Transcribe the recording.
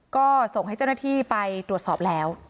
ก็ส่งให้เจ้าหน้าที่ไปตรวจสอบแล้ว